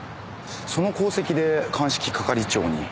その功績で鑑識係長に。